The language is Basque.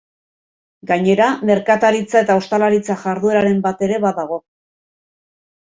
Gainera, merkataritza eta ostalaritza jardueraren bat ere badago.